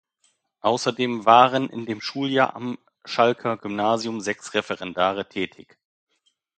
Außerdem waren in dem Schuljahr am Schalker Gymnasium sechs Referendare tätig.